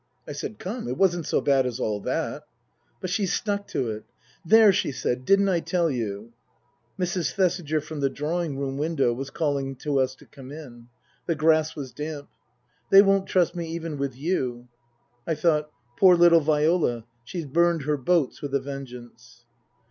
I said, Come, it wasn't so bad as all that. But she stuck to it. " There !" she said. " Didn't I tell you ?" Mrs. Thesiger from the drawing room window was calling to us to come in. The grass was damp. " They won't trust me even with you." I thought :" Poor little Viola she's burned her boats with a vengeance."